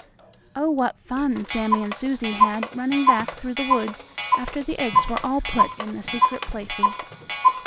Oh, what fun Sammie and Susie had running back through the woods after the eggs were all put in the secret places!